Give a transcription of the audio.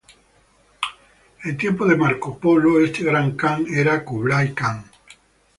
En tiempos de Marco Polo este Gran Kan era Kublai Kan.